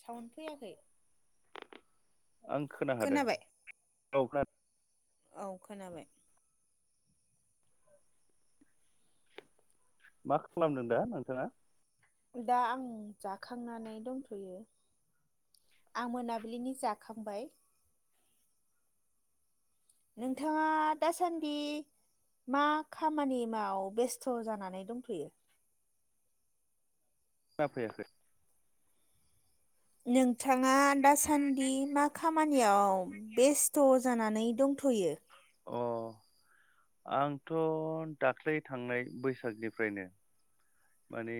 सावन फैयाखै आं खोना हादों खोनाबाय? औफ [unintelligible] औ खोनाबाय मा खालामदों दा नोंथाङा दा आं जाखांनानै दंथ'यो आं मोनाबिलिनि जाखांबाय नोंथाङा दासान्दि मा खामानि माव बेस्थ' जानानै दंथ'यो [unintelligible] फैयाखै नोंथाङा दा दा सान्दि मा खाम खामानियाव बेस्थ' जानानै दंथ'यो। अ आंथ' दाख्लै थांनाय बैसागनिफ्रायनो माने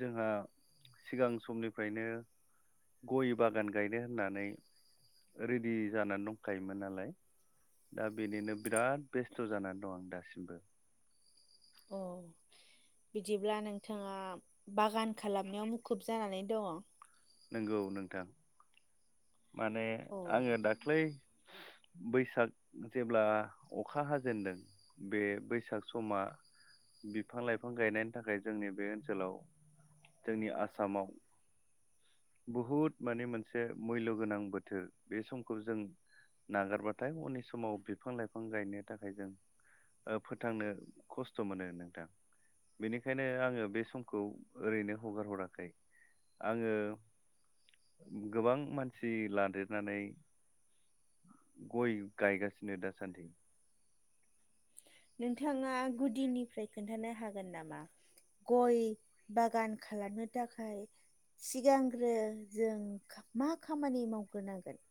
जोंहा सिगां समनिफ्रायनो गय बागान गायनो होननानै रेडि जानानै दंखायोमोन नालाय दा बेनिनो बिराद बेस्थ' जानानै दं आं दासिमबो अ बिदिब्ला नोंथाङा बागान खालामनायाव मुखुब जानानै दङ नंगौ नोंथां माने अ आङो दाख्लै बैसाग जेब्ला अखा हाजेनदों बे बैसाग समा बिफां लायफां गायनायनि थाखाय जोंनि बे ओनसोलाव जोंनि आसामाव बहुद माने मोनसे मैल' गोनां बोथोर बे समखौ जों नागारबाथाय उननि समाव बिफां लायफां गायनो थाखाय जों फोथांनो खस्थ' मोनो नोंथां बेनिखायनो आङो बे समखौ ओरैनो हगार हराखै। आङो गोबां मानसि लादेरनानै गय गायगासिनो दासान्दि। नोंथाङा गुदिनिफ्राय खोन्थानो हागोन नामा गय बागान खालामनो थाखाय सिगांग्रो जों मा खामानि मावग्रोनांगोन।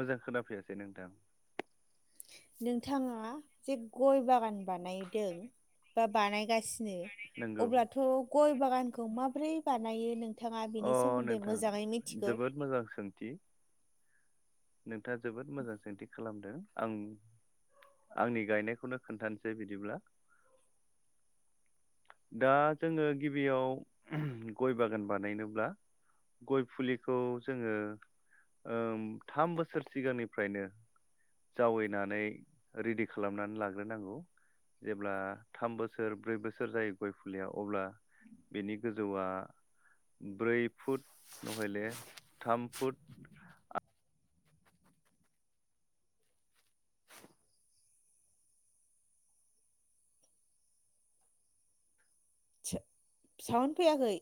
मोजां खोनाफैयासै नोंथां नोंथाङा जे गय बागान बानायदों बा-बानायगासि नो नंगौ अब्लाथ' गय बागानखौ माब्रै बानायो नों अ नोंथां जोबोद मोजां सोंथि नोंथाङा जोबोद मोजां सोंथि खालामदों आं आंनि गायनायखौनो खोन्थानोसै बिदिब्ला दा जोङो गिबियाव गय बागान बानायनोब्ला गय फुलिखौ जोङो थाम बोसोर सिगांनिफ्रायनो जावैनानै रेडि खालामनानै लाग्रोनांगौ जेब्ला थाम बोसोर ब्रै बोसोर जायो गय फुलिया अब्ला बेनि गोजौआ ब्रै फुट नहले थाम फुट सावुन फैयाखै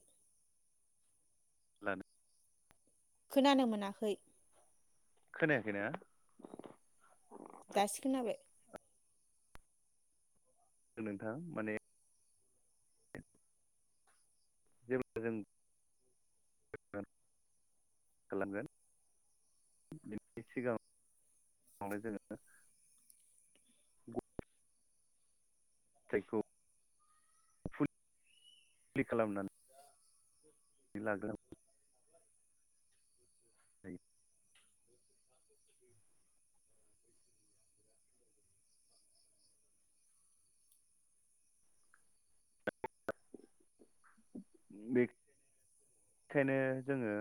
[unintelligible] खोनानो मोनाखै खोनायाखै ना दासो खोनाबाय नोंथां माने जेब्ला जों [unintelligible] जायखौ फुलि खालामनानै लागोन दै [inaudible] बे बेखायनो जोंङो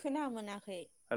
खोना मोनाखै